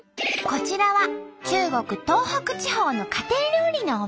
こちらは中国東北地方の家庭料理のお店。